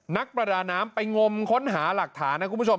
นักประดาน้ำไปงมค้นหาหลักฐานนะคุณผู้ชม